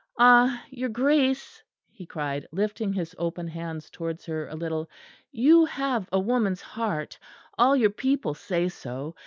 "Ah! your Grace," he cried, lifting his open hands towards her a little, "you have a woman's heart; all your people say so.